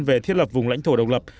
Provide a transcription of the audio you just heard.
về thiết lập vùng lãnh thổ độc lập